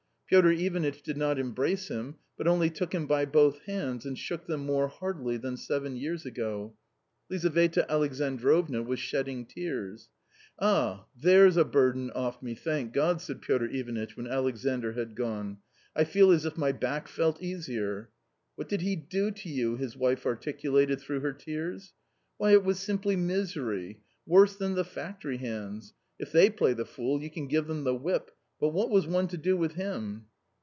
Piotr Ivanitch did not embrace him, but only took him by both hands and shook them more heartily than seven years ago. Lizaveta Alexandrovna was shedding tears. " Ah ! there's a burden off me, thank God !" said Piotr Ivanitch, when Alexandr had gone ;" I feel as if my back felt easier !"" What did he do to you ?" his wife articulated through her tears. " Why, it was simply misery ; worse than the factory hands. If they play the fool, you can give them the whip ; but what was one to do with him